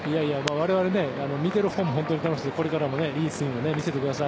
我々見てるほうも本当に楽しくてこれからも、いいスイングを見せてください。